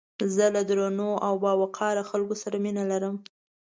زه له درنو او باوقاره خلکو سره مينه لرم